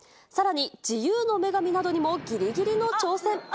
さらに自由の女神などにもぎりぎりの挑戦。